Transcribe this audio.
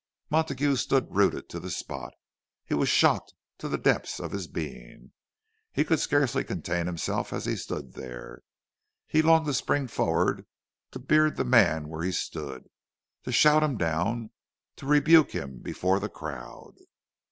Montague stood rooted to the spot; he was shocked to the depths of his being—he could scarcely contain himself as he stood there. He longed to spring forward to beard the man where he stood, to shout him down, to rebuke him before the crowd.